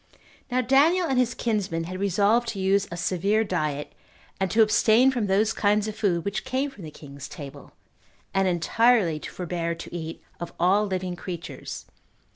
2. Now Daniel and his kinsmen had resolved to use a severe diet, and to abstain from those kinds of food which came from the king's table, and entirely to forbear to eat of all living creatures.